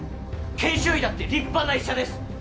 研修医だって立派な医者です。